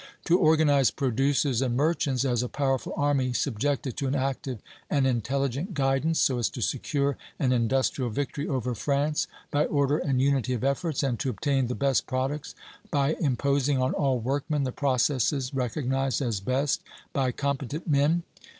"To organize producers and merchants as a powerful army, subjected to an active and intelligent guidance, so as to secure an industrial victory for France by order and unity of efforts, and to obtain the best products by imposing on all workmen the processes recognized as best by competent men....